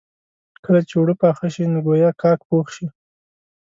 کله چې اوړه پاخه شي نو ګويا کاک پوخ شي.